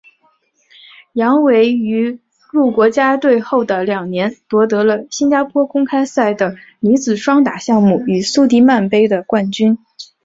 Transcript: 杨维于入国家队后的两年夺得了新加坡公开赛的女子双打项目与苏迪曼杯的冠军。